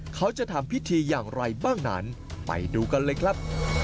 เขาจะทำพิธีอย่างไรบ้างนั้นไปดูกันเลยครับ